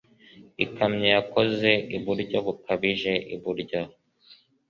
Ikamyo yakoze iburyo bukabije iburyo.